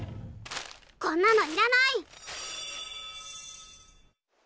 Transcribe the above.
こんなのいらない！